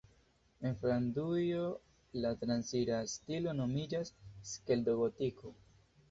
En Flandrujo la transira stilo nomiĝas Skeldo-Gotiko.